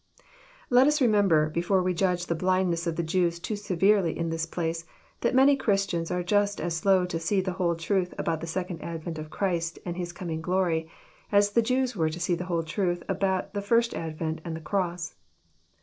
Let us remember, before we judge the blindness of the Jews too severely in this place, that many Christians are Just its slow to see the whole truth about the second advent of Christ and His coming glory, as the Jews were to see the whole truth about the first advent and the cross.